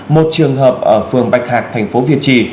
một trường hợp ở phường bạch hạc thành phố việt trì